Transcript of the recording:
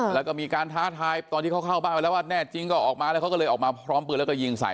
แล้วก็มีการท้าทายตอนที่เขาเข้าบ้านไปแล้วว่าแน่จริงก็ออกมาแล้วเขาก็เลยออกมาพร้อมปืนแล้วก็ยิงใส่